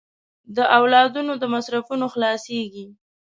د اولادونو د مصرفونو خلاصېږي.